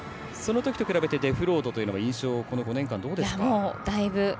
そのときと比べて、デフロートの印象というのはこの５年間でどうですか。